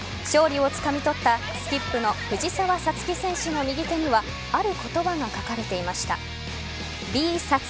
勝利をつかみ取ったスキップの藤澤五月選手の右手にはある言葉が書かれていました。